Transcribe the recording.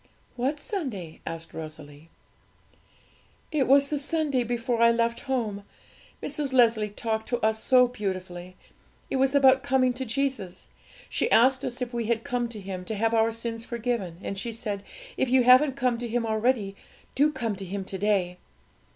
'What Sunday?' asked Rosalie. 'It was the Sunday before I left home. Mrs. Leslie talked to us so beautifully; it was about coming to Jesus. She asked us if we had come to Him to have our sins forgiven; and she said, "If you haven't come to Him already, do come to Him to day."